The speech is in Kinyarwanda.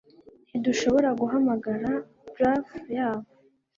Ntidushobora guhamagara bluff yabo